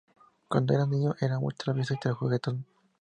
Cuando era niño, era muy travieso y juguetón.